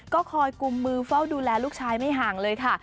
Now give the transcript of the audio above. ก็คอยกุมมือเฝ้าดูแลลูกชายไม่ห่างเลยค่ะ